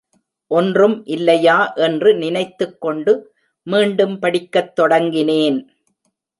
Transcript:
ஒன்றும் இல்லையா! என்று நினைத்துக் கொண்டு மீண்டும் படிக்கத் தொடங்கினேன்.